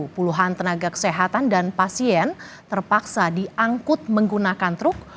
puluhan tenaga kesehatan dan pasien terpaksa diangkut menggunakan truk